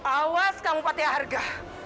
awas kamu pateharga